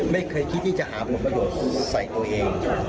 ไม่เคยคิดที่จะหาผลประโยชน์ใส่ตัวเอง